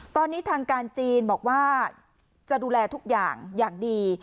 ตอนนี้ทางการจีนบอกว่าจะดูแลทุกอย่างอย่างดี